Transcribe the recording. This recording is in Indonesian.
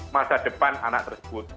masa depan anak tersebut